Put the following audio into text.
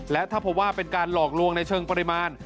และถ้าพบว่าเป็นการหลอกลวงในเชิงปริมาณ